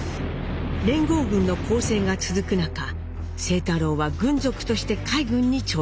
連合軍の攻勢が続く中清太郎は軍属として海軍に徴用されます。